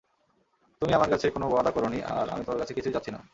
তুমি আমার কাছে কোনো ওয়াদা করো নি আর আমি তোমার কাছে কিছুই চাচ্ছি না।